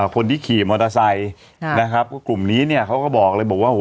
คนที่ขี่มอเตอร์ไซค์นะครับก็กลุ่มนี้เนี่ยเขาก็บอกเลยบอกว่า